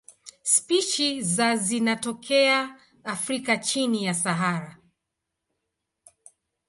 Spishi za zinatokea Afrika chini ya Sahara.